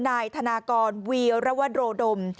นายธนากรวีรวโรดม